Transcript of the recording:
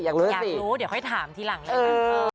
อยากรู้เดี๋ยวค่อยถามทีหลังเลยนะ